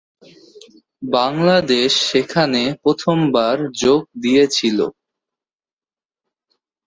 বাংলাদেশ সেখানে প্রথমবার যোগ দিয়েছিল।